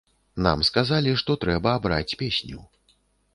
Нам сказалі, што трэба абраць песню.